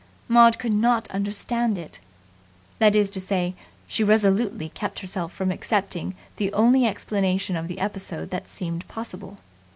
Maud could not understand it. That is to say, she resolutely kept herself from accepting the only explanation of the episode that seemed possible.